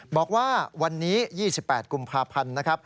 บอกว่าวันนี้๒๘กุมภาพันธุ์